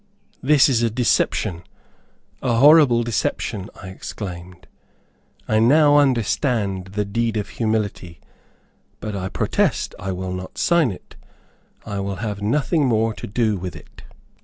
"This is a deception, a horrible deception," I exclaimed. "I now understand the 'deed of humility,' but I protest I will not sign it, I will have nothing more to do with it."